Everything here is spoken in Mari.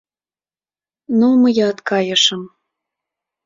Но, мыят кайышым...